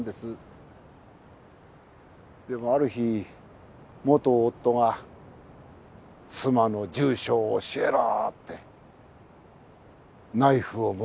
でもある日元夫が妻の住所を教えろってナイフを持って押し入って。